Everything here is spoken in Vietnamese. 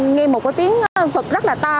nghe một cái tiếng vật rất là ta